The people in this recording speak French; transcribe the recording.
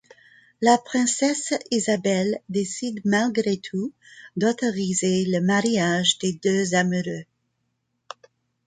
La princesse Isabelle décide malgré tout d'autoriser le mariage des deux amoureux.